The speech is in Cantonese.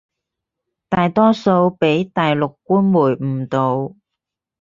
大多數畀大陸官媒誤導